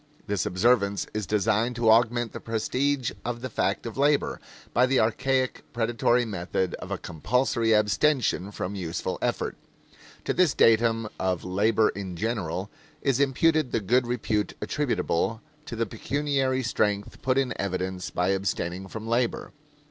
This observance is designed to augment the prestige of the fact of labor, by the archaic, predatory method of a compulsory abstention from useful effort. To this datum of labor in general is imputed the good repute attributable to the pecuniary strength put in evidence by abstaining from labor.